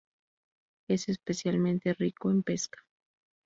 Es especialmente rico en pesca.